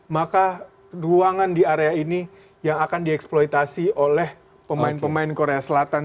maka ruangan di area ini yang akan dieksploitasi oleh pemain pemain korea selatan